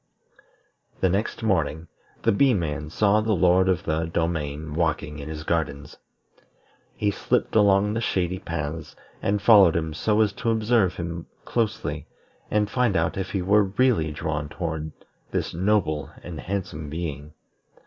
The next morning, the Bee man saw the Lord of the Domain walking in his gardens. He slipped along the shady paths, and followed him so as to observe him closely, and find out if he were really drawn toward this noble and handsome being.